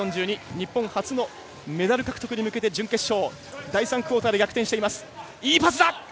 日本初のメダル獲得に向けて準決勝、第３クオーターで逆転。